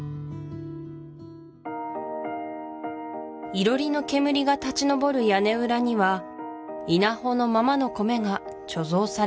囲炉裏の煙が立ち上る屋根裏には稲穂のままの米が貯蔵されていました